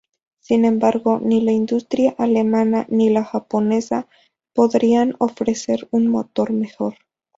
Sin embargo, ni la industria alemana, ni la japonesa podrían ofrecer un motor mejor.